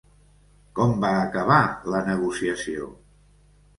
Com va acabar la negociació?